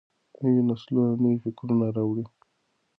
نوي نسلونه نوي فکرونه راوړي.